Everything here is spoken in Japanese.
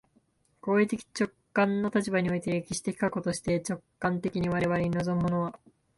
行為的直観の立場において、歴史的過去として、直観的に我々に臨むものは、